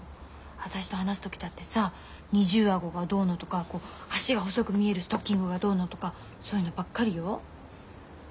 私と話す時だってさ二重顎がどうのとか脚が細く見えるストッキングがどうのとかそういうのばっかりよ。